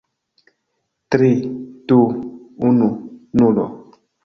Tri... du... unu... nulo